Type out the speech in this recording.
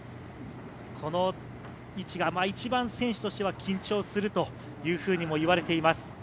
この位置が一番選手としては緊張するというふうに言われています。